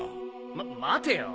ま待てよ！